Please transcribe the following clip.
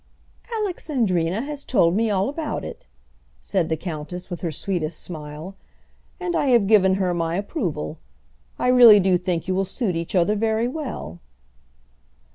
"Alexandrina has told me all about it," said the countess, with her sweetest smile; "and I have given her my approval. I really do think you will suit each other very well."